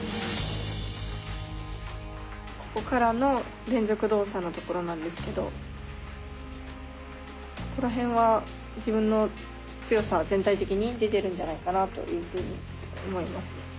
ここからの連続動作のところなんですけどここらへんは自分の強さが全体的に出てるんじゃないかなというふうに思いますね。